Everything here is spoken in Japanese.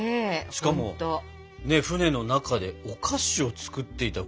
しかも船の中でお菓子を作っていた知らなかったね。